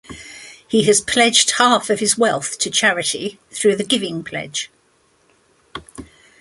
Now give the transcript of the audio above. He has pledged half of his wealth to charity through The Giving Pledge.